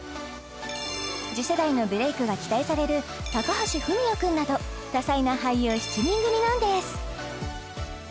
次世代のブレイクが期待される高橋文哉君など多才な俳優７人組なんです